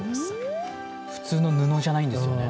普通の布じゃないんですよね？